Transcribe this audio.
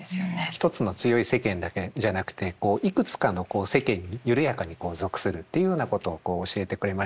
一つの強い世間だけじゃなくていくつかの世間に緩やかに属するっていうようなことを教えてくれましたし